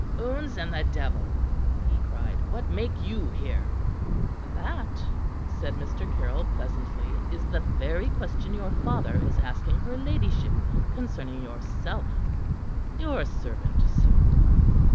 "Oons and the devil!" he cried. "What make you here?" "That," said Mr. Caryll pleasantly, "is the very question your father is asking her ladyship concerning yourself. Your servant, sir."